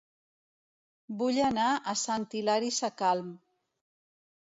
Vull anar a Sant Hilari Sacalm